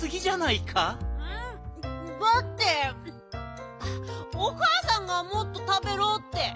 だっておかあさんがもっとたべろって。